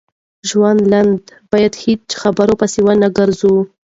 ژوند لنډ بايد هيچا خبرو پسی ونه ګرځو